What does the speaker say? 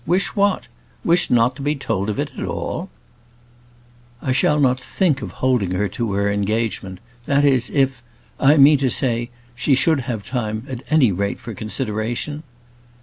wish what? Wish not to be told of it at all?" "I shall not think of holding her to her engagement that is, if I mean to say, she should have time at any rate for consideration."